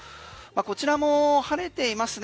こちらも晴れていますね。